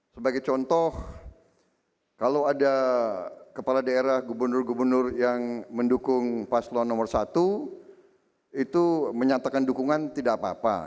sebagai contoh kalau ada kepala daerah gubernur gubernur yang mendukung paslon nomor satu itu menyatakan dukungan tidak apa apa